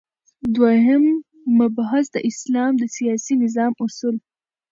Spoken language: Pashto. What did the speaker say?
دوهم مبحث : د اسلام د سیاسی نظام اصول